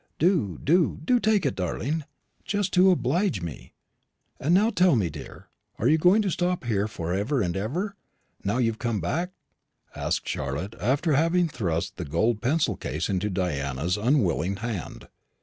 Do, do, do take it, darling, just to oblige me. And now, tell me, dear, you're going to stop here for ever and ever, now you've come back" asked Charlotte, after having thrust the gold pencil case into Diana's unwilling hand.